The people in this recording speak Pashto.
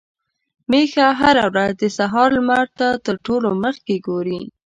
ميښه هره ورځ د سهار لمر تر ټولو مخکې ګوري.